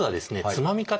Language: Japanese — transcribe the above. つまみ方？